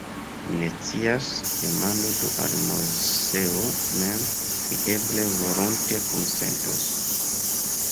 Mi ne scias; demandu do al Moseo mem, li eble volonte konsentos.